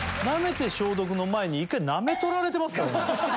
「舐めて消毒」の前に一回舐めとられてますからね。